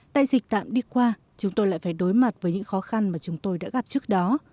đại dịch tạm đi qua chúng tôi lại phải đối mặt với những khó khăn mà chúng tôi đã gặp trước đó